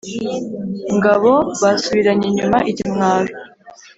Ngabo basubiranye inyuma ikimwaro,